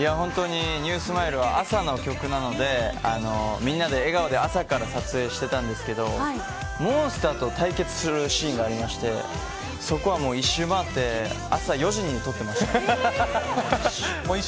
ＮＥＷＳｍｉｌｅは朝の曲なのでみんなで笑顔で朝から撮影してたんですけどモンスターと対決するシーンがあってそこは、一周回って朝４時に撮っていました。